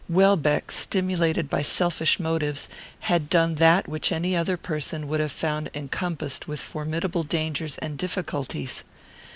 Welbeck, stimulated by selfish motives, had done that which any other person would have found encompassed with formidable dangers and difficulties.